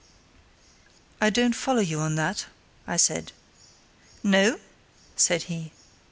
"I don't follow you at that," I said. "No?" said he.